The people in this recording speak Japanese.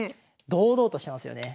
堂々としてますよね。